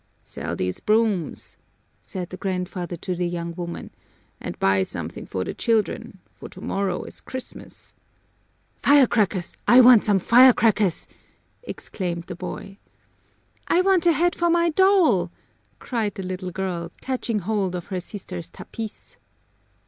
"Sell these brooms," said the grandfather to the young woman, "and buy something for the children, for tomorrow is Christmas." "Firecrackers, I want some firecrackers!" exclaimed the boy. "I want a head for my doll," cried the little girl, catching hold of her sister's tapis.